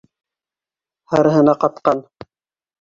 Һарыһына ҡатҡан.